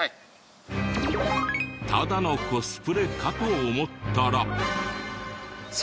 ただのコスプレかと思ったら。